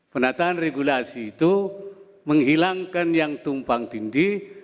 penataan regulasi itu menghilangkan yang tumpang tindih